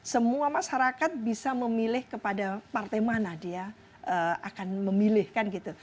semua masyarakat bisa memilih kepada partai mana dia akan memilih kan gitu